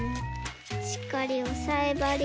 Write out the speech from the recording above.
しっかりおさえばりに。